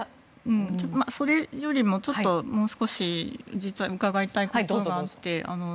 それよりももう少し実は伺いたいことがあって。